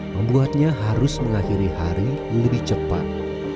membuatnya harus mengakhiri hari lebih cepat